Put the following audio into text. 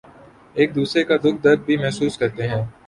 ایک دوسرے کا دکھ درد بھی محسوس کرتے ہیں